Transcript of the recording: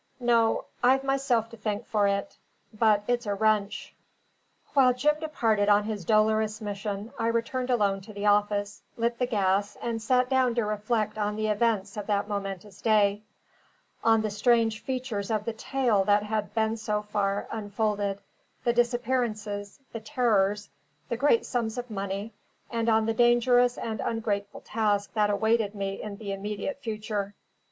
No; I've myself to thank for it; but it's a wrench." While Jim departed on his dolorous mission, I returned alone to the office, lit the gas, and sat down to reflect on the events of that momentous day: on the strange features of the tale that had been so far unfolded, the disappearances, the terrors, the great sums of money; and on the dangerous and ungrateful task that awaited me in the immediate future.